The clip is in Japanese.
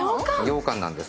・ようかんなんです